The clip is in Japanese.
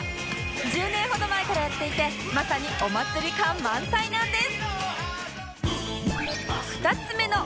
１０年ほど前からやっていてまさにお祭り感満載なんです